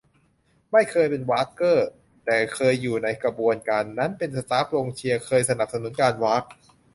ไม่เคยเป็นว๊ากเกอร์ แต่เคยอยู่ในกระบวนการนั้น เป็นสต๊าฟเพลงเชียร์ เคยสนับสนุนการว๊าก